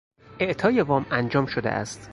اعطای وام انجام شده است.